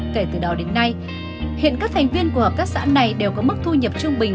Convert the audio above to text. kể từ đó đến nay hiện các thành viên của hợp tác xã này đều có mức thu nhập trung bình